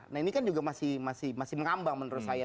nah ini kan juga masih mengambang menurut saya